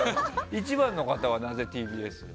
１番の方は、なぜＴＢＳ？